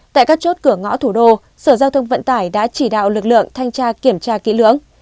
tại các chốt cửa ngõ thủ đô sở giao thông vận tải đã chỉ đạo lực lượng thanh tra kiểm tra kỹ lưỡng